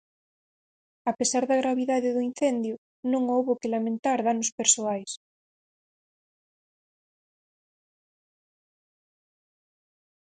A pesar da gravidade do incendio, non houbo que lamentar danos persoais.